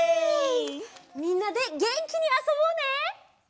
みんなでげんきにあそぼうね！